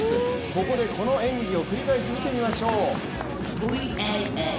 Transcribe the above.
ここで、この演技を繰り返し見てみましょう。